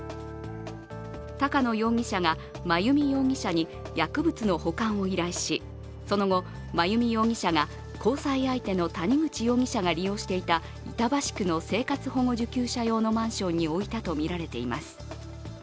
高野容疑者が真弓容疑者に薬物の保管を依頼しその後、真弓容疑者が交際相手の谷口容疑者が利用していた板橋区の生活保護受給者用のマンションに置いたとみられています。